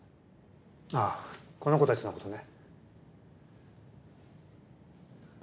あこの子たちのことね。